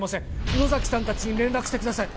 「野崎さん達に連絡してください」